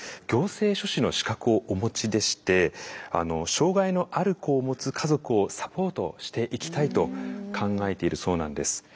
行政書士の資格をお持ちでして障害のある子を持つ家族をサポートしていきたいと考えているそうなんです。